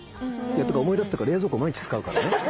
思い出すっていうか冷蔵庫毎日使うからね